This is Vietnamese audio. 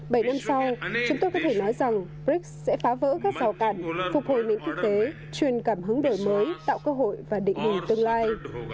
bảy năm sau chúng tôi có thể nói rằng brics sẽ phá vỡ các rào cản phục hồi miệng kinh tế truyền cảm hứng đổi mới tạo cơ hội và định hình tương lai